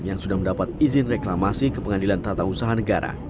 yang sudah mendapat izin reklamasi ke pengadilan tata usaha negara